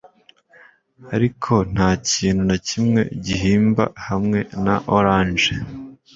ariko ntakintu na kimwe gihimba hamwe na orange